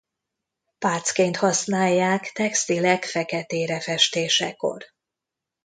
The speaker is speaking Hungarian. Pácként használják textilek feketére festésekor.